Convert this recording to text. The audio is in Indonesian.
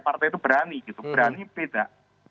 partai itu berani gitu berani beda